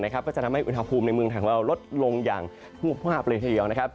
ก็จะทำให้อุณหภูมิในเมืองทางเวลาลดลงอย่างภูมิภาพเลยที่อยู่